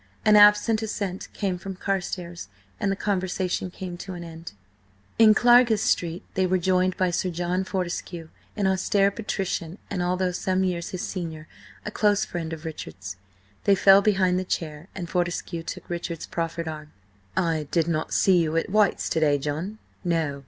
An absent assent came from Carstares, and the conversation came to an end. In Clarges Street they were joined by Sir John Fortescue, an austere patrician, and although some years his senior, a close friend of Richard's. They fell behind the chair, and Fortescue took Richard's proffered arm. "I did not see you at White's to day, John?" "No.